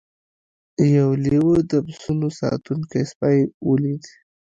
یو لیوه د پسونو ساتونکی سپی ولید.